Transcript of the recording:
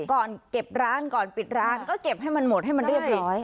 ก่อนเก็บร้านก่อนปิดร้านก็เก็บให้มันหมดให้มันเรียบร้อย